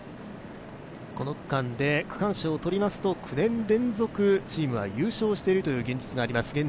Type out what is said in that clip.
この区間で区間賞を取りますと９年連続、チームは優勝しているというデータがあります。